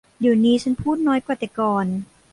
เดี๋ยวนี้ฉันพูดน้อยกว่าแต่ก่อน